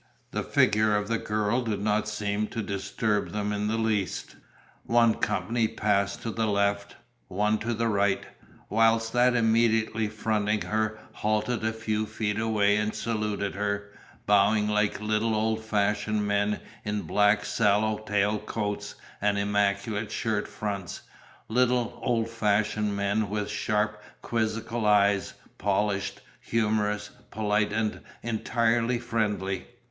The figure of the girl did not seem to disturb them in the least. One company passed to the left, one to the right, whilst that immediately fronting her halted a few feet away and saluted her, bowing like little old fashioned men in black swallow tail coats and immaculate shirt fronts, little old fashioned men with sharp quizzical eyes, polished, humorous, polite and entirely friendly.